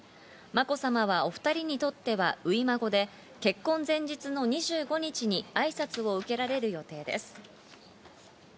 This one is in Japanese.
まこさまはお２人にとって初孫で、結婚前日の２５日にあいさつを受けられる予定です。